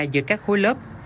giữa các khối lớp